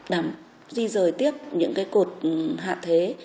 đã di rời tiếp những cái cột hạ thế